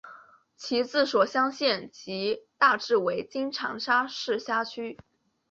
其治所湘县即大致为今长沙市辖区。